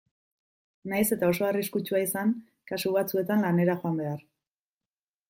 Nahiz eta oso arriskutsua izan kasu batzuetan lanera joan behar.